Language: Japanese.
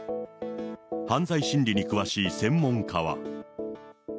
犯罪心理に詳しい専門家は。